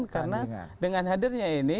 karena dengan hadirnya ini